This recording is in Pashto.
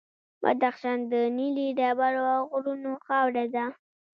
بدخشان د نیلي ډبرو او غرونو خاوره ده.